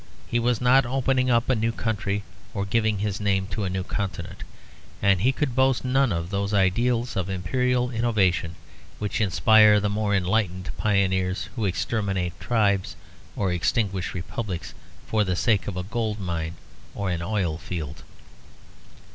He was not opening up a new country, or giving his name to a new continent, and he could boast none of those ideals of imperial innovation which inspire the more enlightened pioneers, who exterminate tribes or extinguish republics for the sake of a gold mine or an oil field.